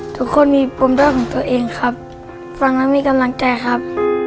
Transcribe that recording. ทุกคนมีปมด้อยของตัวเองครับฟังแล้วมีกำลังใจครับ